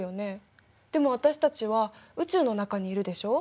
でも私たちは宇宙の中にいるでしょ。